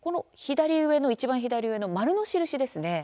いちばん左上の丸の印ですね。